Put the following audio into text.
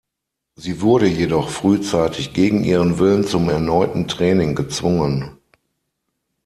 Sie wurde jedoch frühzeitig gegen ihren Willen zum erneuten Training gezwungen.